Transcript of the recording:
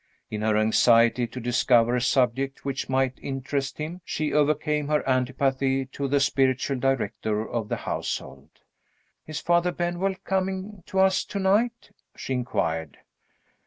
In her anxiety to discover a subject which might interest him, she overcame her antipathy to the spiritual director of the household. "Is Father Benwell coming to us to night?" she inquired.